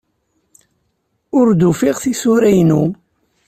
Ur d-ufiɣ tisura-inu.